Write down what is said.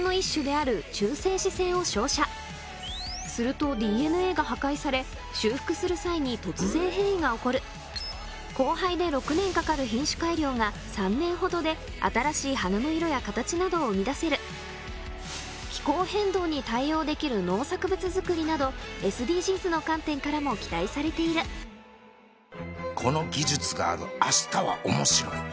すると ＤＮＡ が破壊され交配で６年かかる品種改良が３年ほどで新しい花の色や形などを生み出せる気候変動に対応できる農作物作りなどの観点からも期待されているこの技術があるあしたは面白い